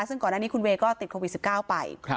ซึ่งก่อนอันนี้คุณเวย์ก็ติดโควิด๑๙ไป